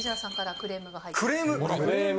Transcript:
クレーム？